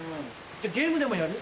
じゃゲームでもやる？